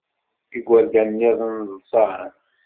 Igerdan-nniḍen ḍsan.